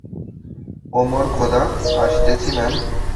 ও মোর খোদা, আসতেছি ম্যাম।